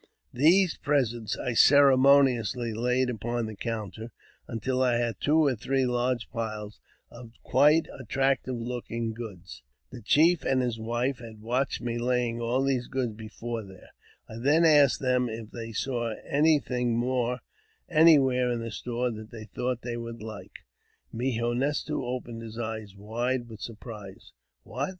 These presents I ceremoniously laid upon the counter, until I had two or three large piles of quite ^M attractive looking goods. ■ The chief and his wife had watched me laying all these goods before them. I then asked them if they saw anything more anywhere in the store that they thought they would like. Mo he nes to opened his eyes wide with surprise. " What